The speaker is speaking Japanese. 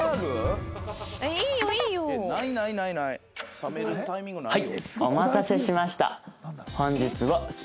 冷めるタイミングないよ。